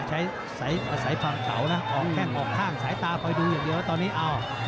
ใช้ฝั่งเก่านะออกแข้งออกข้างสายตาคอยดูอย่างเยอะตอนนี้อ้าว